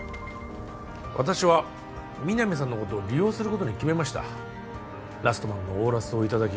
私は皆実さんのことを利用することに決めましたラストマンのオーラスをいただき